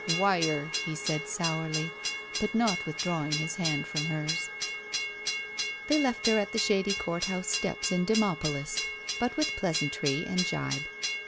"Wire," he said, sourly, but not withdrawing his hand from hers. They left her at the shady court house steps in DemopoUs, but with pleasantry and gibe.